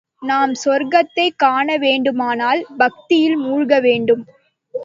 நாம் சொர்க்கத்தைக் காணவேண்டுமானால், பக்தியில் மூழ்க வேண்டும்.